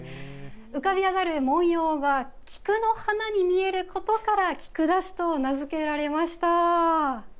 浮かび上がる文様は菊の花に見えることから菊出しと名付けられました。